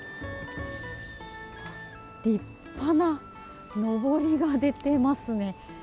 立派なのぼりが出てますね。